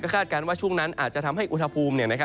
คาดการณ์ว่าช่วงนั้นอาจจะทำให้อุณหภูมิ